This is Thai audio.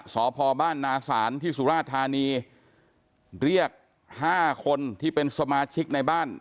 สพบ้านนาศาลที่สุราธานีเรียกห้าคนที่เป็นสมาชิกในบ้าน